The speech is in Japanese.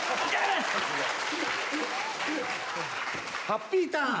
ハッピーターン。